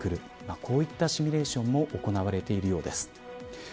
こういったシミュレーションも行われているようです。